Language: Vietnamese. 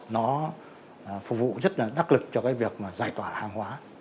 nó phục vụ rất là đắc lực cho cái việc mà giải tỏa hàng hóa